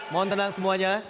mohon tenang semuanya